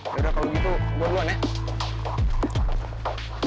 ya udah kalau gitu gue duluan ya